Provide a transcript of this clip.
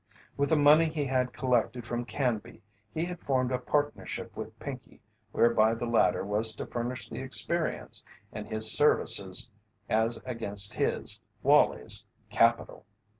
With the money he had collected from Canby he had formed a partnership with Pinkey whereby the latter was to furnish the experience and his services as against his, Wallie's, capital.